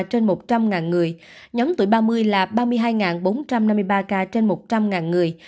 trên một trăm linh người nhóm tuổi ba mươi là ba mươi hai bốn trăm năm mươi ba ca trên một trăm linh người